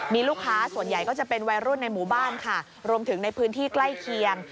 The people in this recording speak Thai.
มีลูกค้าส่วนใหญ่ก็จะเป็นวัยรุ่นในหมู่บ้านค่ะรวมถึงในพื้นที่ใกล้เคียง